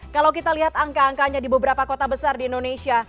kalau kita lihat angka angkanya di beberapa kota besar di indonesia